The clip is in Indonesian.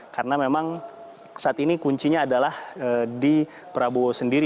karena memang saat ini kuncinya adalah di prabowo sendiri